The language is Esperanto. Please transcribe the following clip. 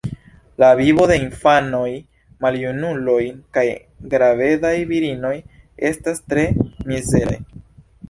La vivoj de infanoj, maljunuloj kaj gravedaj virinoj estas tre mizeraj.